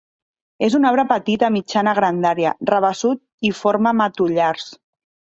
És un arbre petit a mitjana grandària, rabassut i forma matollars.